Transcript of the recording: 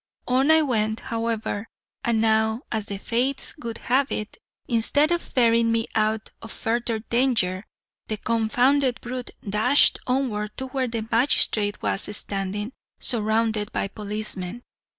"On I went, however; and now, as the Fates would have it, instead of bearing me out of further danger, the confounded brute dashed onward to where the magistrate was standing, surrounded by policemen.